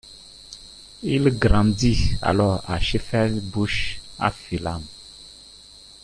Il grandit alors à Shepherd's Bush, à Fulham.